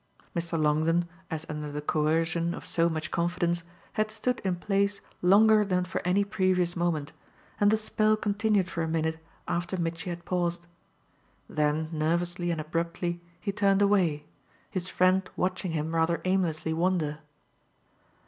Mr. Longdon, as under the coercion of so much confidence, had stood in place longer than for any previous moment, and the spell continued for a minute after Mitchy had paused. Then nervously and abruptly he turned away, his friend watching him rather aimlessly wander.